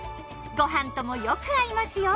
ごはんともよく合いますよ。